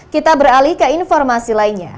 kita beralih ke informasi lainnya